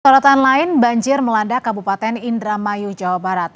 sorotan lain banjir melanda kabupaten indramayu jawa barat